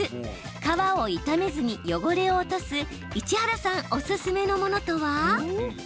革を傷めずに汚れを落とす市原さんおすすめのものとは？